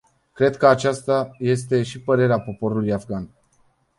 Cred că aceasta este și părerea poporului afgan.